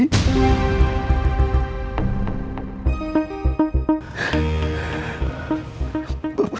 pokoknya selalu bisa gelir